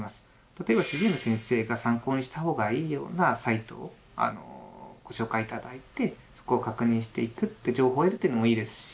例えば主治医の先生に参考にした方がいいようなサイトをご紹介頂いてそこを確認していく情報を得るというのもいいですし。